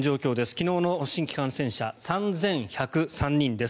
昨日の新規感染者３１０３人です。